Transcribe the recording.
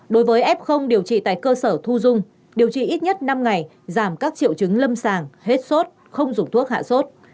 đối với f điều trị tại cơ sở thu dung điều trị ít nhất năm ngày giảm các triệu chứng lâm sàng hết sốt không dùng thuốc hạ sốt